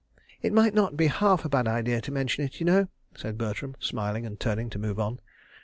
"It might not be half a bad idea to mention it, y'know," said Bertram, smiling and turning to move on.